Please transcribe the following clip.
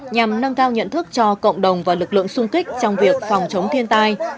nhằm nâng cao nhận thức cho cộng đồng và lực lượng sung kích trong việc phòng chống thiên tai